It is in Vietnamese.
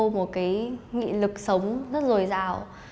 một cái nghị lực sống rất rồi rào